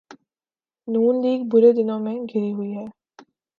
نون league برے دنوں میں گھری ہوئی ہے۔